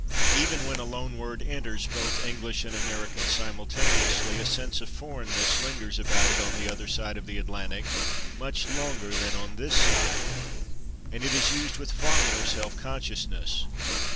Even when a loan word enters both English and American simultaneously a sense of foreignness lingers about it on the other side of the Atlantic much longer than on this side, and it is used with far more self consciousness.